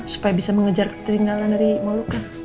supaya bisa mengejar ketinggalan dari maluka